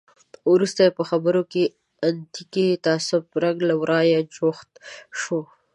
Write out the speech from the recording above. وروسته یې په خبرو کې د اتنیکي تعصب رنګ له ورایه جوت شو.